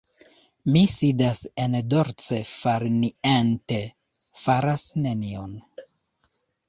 Mi sidas en dolce farniente, faras nenion.